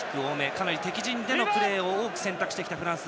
かなり敵陣でのプレーを多く選択してきたフランス。